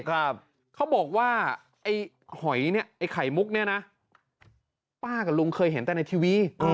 อเจมส์เขาบอกว่าไฮมุกเนี่ยนะป้ากับลุงเคยเห็นได้ในทีวี